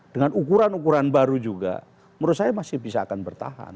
dengan ukuran ukuran baru juga menurut saya masih bisa akan bertahan